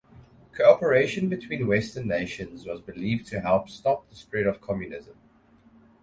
Co-operation between Western nations was believed to help stop the spread of Communism.